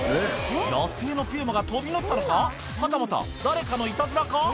野生のピューマが飛び乗ったのかはたまた誰かのいたずらか？